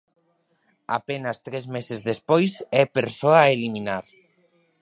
A penas tres meses despois é persoa a eliminar.